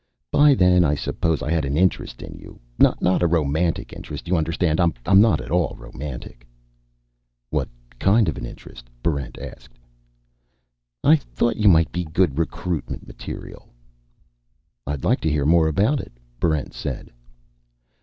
"By then I suppose I had an interest in you. Not a romantic interest, you understand. I'm not at all romantic." "What kind of an interest?" Barrent asked. "I thought you might be good recruitment material." "I'd like to hear more about it," Barrent said.